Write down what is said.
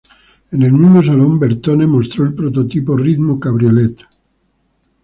En el mismo salón, Bertone mostró el prototipo Ritmo Cabriolet.